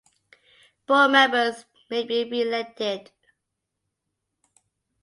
Board members may be re-elected.